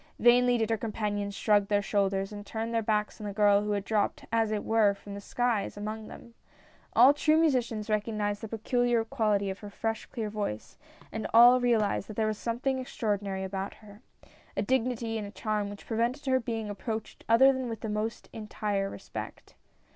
Vainly did her compan ions shrug their shoulders and turn their backs on the girl who had dropped, as it were, from the skies, among them. All true musicians recognized the peculiar quality of her fre^h, clear voice, and all realized that 106 HER FIRST APPEARANCE. there was sometliing extraordinary about her — a dignity and a charm which prevented her being ap proached other than with the most entire respect.